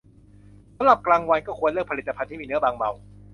สำหรับกลางวันก็ควรเลือกผลิตภัณฑ์ที่มีเนื้อบางเบา